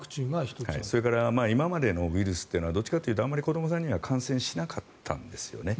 それから今までのウイルスはどっちかっていうとあまり子どもさんには感染しなかったんですよね。